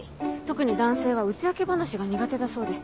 特に男性は打ち明け話が苦手だそうで。